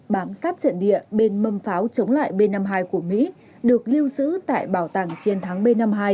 bám sát trận địa bên mâm pháo chống lại b năm mươi hai của mỹ được lưu giữ tại bảo tàng chiến thắng b năm mươi hai